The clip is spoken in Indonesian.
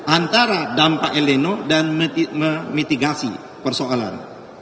antara dampak eleno dan memitigasi persoalan